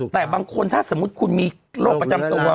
แต่บางคนถ้าสมมุติคุณมีโรคประจำตัว